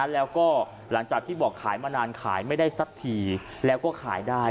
แล้วก็หลังจากที่บอกขายมานานขายไม่ได้สักทีแล้วก็ขายได้